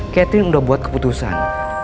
catherine udah buat keputusan